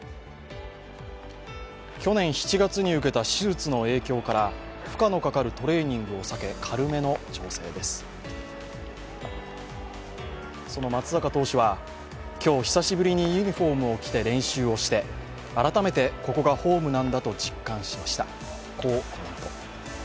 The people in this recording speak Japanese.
去年７月に受けた手術の影響から負荷のかかるトレーニングを避けその松坂投手は今日久しぶりにユニフォームを着て練習をして改めてここがホームなんだと実感しました。